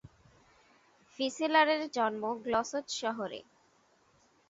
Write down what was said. ফিসেলারের জন্ম গ্লসচ শহরে।